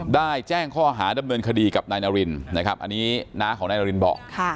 แจ้งข้อหาดำเนินคดีกับนายนารินนะครับอันนี้น้าของนายนารินบอก